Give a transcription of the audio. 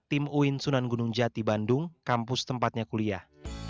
tim uin sunan gunung jatibandung kampus tempatnya kuliah